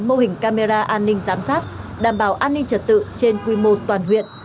mô hình camera an ninh giám sát đảm bảo an ninh trật tự trên quy mô toàn huyện